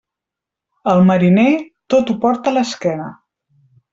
El mariner, tot ho porta a l'esquena.